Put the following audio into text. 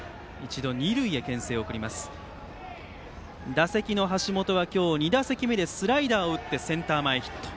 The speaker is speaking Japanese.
打席の橋本は今日２打席目でスライダーを打ってセンター前ヒット。